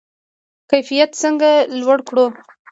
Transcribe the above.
کیفیت څنګه لوړ کړو؟